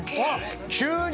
急に！